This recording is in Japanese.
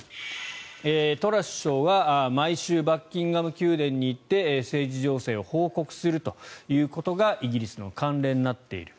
トラス首相が毎週バッキンガム宮殿に行って政治情勢を報告するということがイギリスの慣例になっている。